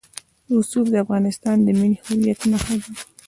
رسوب د افغانستان د ملي هویت نښه ده.